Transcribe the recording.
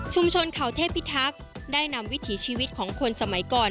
ชนเขาเทพิทักษ์ได้นำวิถีชีวิตของคนสมัยก่อน